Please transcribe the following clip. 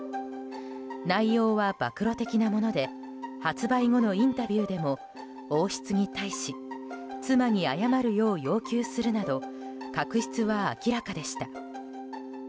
内容は暴露的なもので発売後のインタビューでも王室に対し妻に謝るよう要求するなど確執は明らかでした。